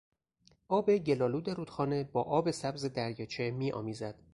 آب گل آلود رودخانه با آب سبز دریاچه می آمیزد.